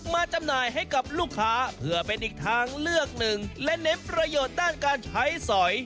จำหน่ายให้กับลูกค้าเพื่อเป็นอีกทางเลือกหนึ่งและเน้นประโยชน์ด้านการใช้สอย